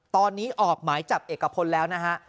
ตอนนี้ออกหมายจับเอกพลแล้วนะฮะ